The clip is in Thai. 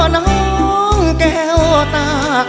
อ๋อน้องแก้วตา